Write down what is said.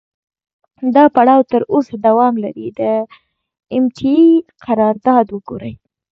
دا پړاو تر اوسه دوام لري، د ام ټي اې قرارداد وګورئ.